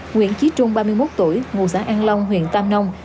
nguyễn trí trung ba mươi một tuổi ngụ xã an long huyện tam nông